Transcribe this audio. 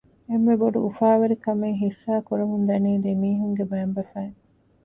އެންމެ ބޮޑު އުފާވެރިކަމެއް ހިއްސާކުރަމުން ދަނީ ދެމީހުންގެ މައިންބަފައިން